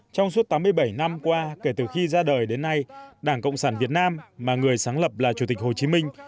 trong suốt tám mươi bảy năm qua kể từ khi ra đời đến nay đảng cộng sản việt nam mà người sáng lập là chủ tịch hồ chí minh